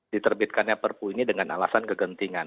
diterbitkannya perpu ini dengan alasan kegentingan